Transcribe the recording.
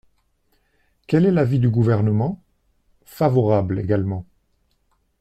Quel est l’avis du Gouvernement ? Favorable également.